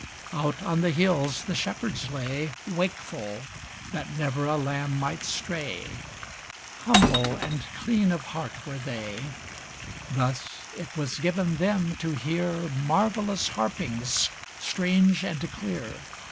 Out on the hills the shepherds lay, Wakeful, that never a lamb might stray, Humble and clean of heart were they; Thus it was given them to hear Marvellous harpings strange and clear.